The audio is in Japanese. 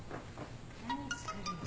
何作るの？